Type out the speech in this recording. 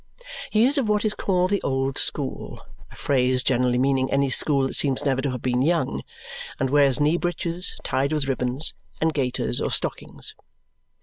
He is of what is called the old school a phrase generally meaning any school that seems never to have been young and wears knee breeches tied with ribbons, and gaiters or stockings.